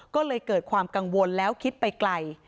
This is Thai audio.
ก็เลยเกิดความกังวลแล้วคิดไปไกล